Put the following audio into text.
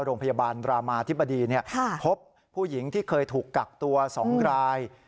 โรงพยาบาลรามาธิบดีพบผู้หญิงที่เคยถูกกักตัว๒ราย